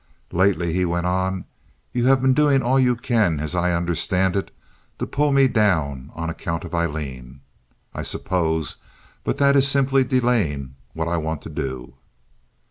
"Lately," he went on, "you have been doing all you can, as I understand it, to pull me down, on account of Aileen, I suppose; but that is simply delaying what I want to do."